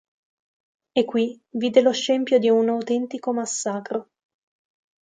E qui vide lo scempio di un autentico massacro.